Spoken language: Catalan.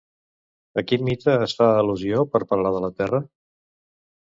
A quin mite es fa al·lusió per parlar de la Terra?